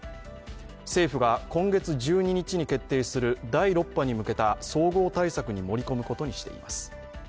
政府が今月１２日に決定する第６波に向けた総合対策に盛り込むことにしています。